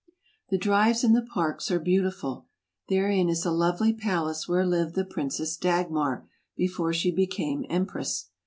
The drives in the parks are beautiful. Therein is a lovely palace where lived the Princess Dagmar before she became empress.